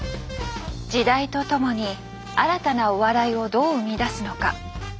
時代とともに新たなお笑いをどう生み出すのか。